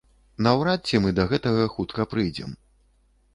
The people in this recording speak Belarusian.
Наўрад ці мы да гэтага хутка прыйдзем.